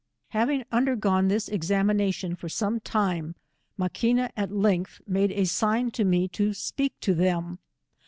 Having undergone this examination for some time, Maquina at length made a sign to me to speak to them.